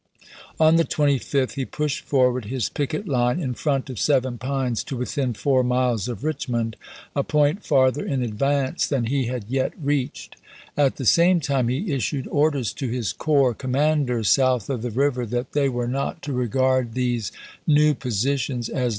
On the 25th he pushed forward his picket line in front of Seven Pines to within four miles of Rich mond, a point farther in advance than he had yet reached. At the same time he issued orders to his corps commanders south of the river that they were not to regard these new positions as their 420 ABRAHAM LINCOLN Ch. XXIII.